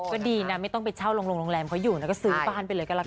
ก็ดีนะไม่ต้องไปเช่าโรงแรมเขาอยู่แล้วก็ซื้อบ้านไปเลยก็ละกัน